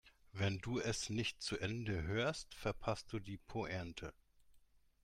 Wenn du es nicht zu Ende hörst, verpasst du die Pointe.